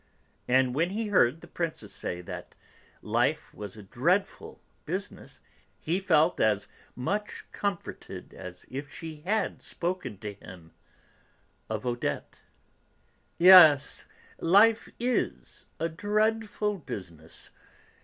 And when he heard the Princess say that life was a dreadful business, he felt as much comforted as if she had spoken to him of Odette. "Yes, life is a dreadful business!